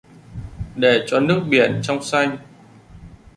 Để cho nước biển trong xanh